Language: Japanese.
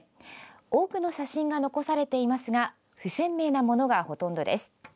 多くの写真が残されていますが不鮮明なものがほとんどです。